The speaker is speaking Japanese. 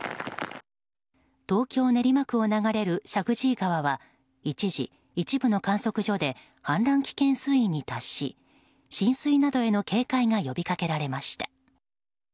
東京・練馬区を流れる石神井川は一時、一部の観測所で氾濫危険水位に達し浸水などへの警戒が呼びかけられました。